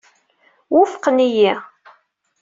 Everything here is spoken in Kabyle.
Wufqen-iyi.